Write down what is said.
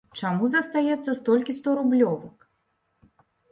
Чаму застаецца столькі сторублёвак?